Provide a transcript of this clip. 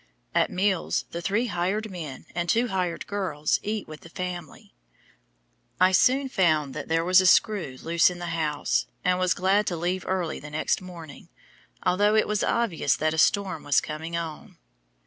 At meals the three "hired men" and two "hired girls" eat with the family. I soon found that there was a screw loose in the house, and was glad to leave early the next morning, although it was obvious that a storm was coming on.